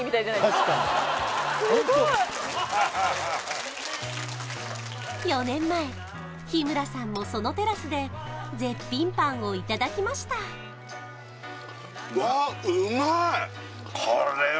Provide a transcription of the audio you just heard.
確かにホントすごい４年前日村さんもそのテラスで絶品パンをいただきましたうわ